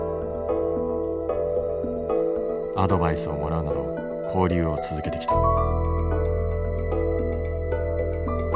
アドバイスをもらうなど交流を続けてきた。